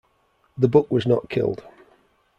The book was not killed.